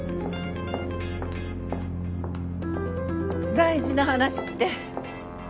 大事な話って？